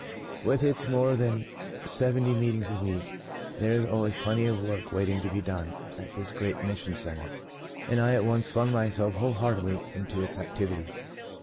" With its more than seventy meetings a week, there is always plenty of work waiting to be done at this great mission centre, and I at once flung myself whole heartedly into its activities.